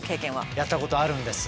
やったことあるんです。